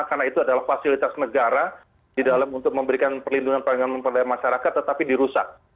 karena itu adalah fasilitas negara di dalam untuk memberikan perlindungan pelayanan kepada masyarakat tetapi dirusak